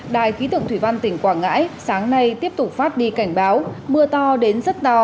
đài khí tượng thủy văn tỉnh quảng ngãi sáng nay tiếp tục phát đi cảnh báo mưa to đến rất to